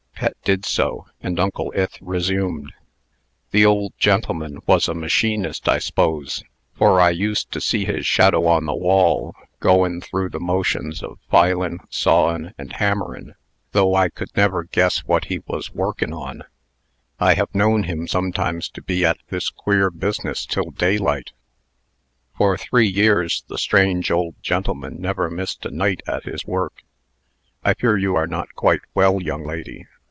Pet did so, and Uncle Ith resumed: "The old gentleman was a machinist, I s'pose, for I used to see his shadow on the wall, goin' through the motions of filin', sawin', and hammerin', though I could never guess what he was workin' on. I have known him sometimes to be at this queer business till daylight. For three years the strange old gentleman never missed a night at his work. I fear you are not quite well, young lady.